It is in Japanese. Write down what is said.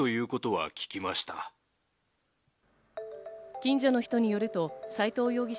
近所の人によると斎藤容疑者